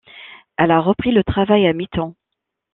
Elle a repris le travail à mi-temps.